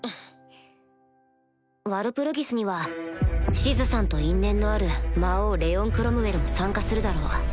ワルプルギスにはシズさんと因縁のある魔王レオン・クロムウェルも参加するだろう